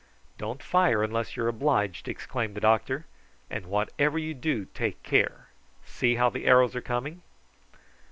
"Don't fire unless you are obliged," exclaimed the doctor; "and whatever you do, take care. See how the arrows are coming."